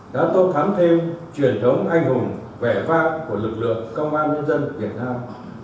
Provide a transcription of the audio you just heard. đã tốt thám thêm truyền thống anh hùng vẻ vang của lực lượng công an nhân dân việt nam